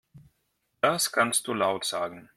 Das kannst du laut sagen.